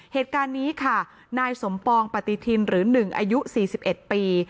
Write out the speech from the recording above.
เหตุการณ์นี้ค่ะนายสมปองปฏิทินหรือ๑อายุ๔๑ปี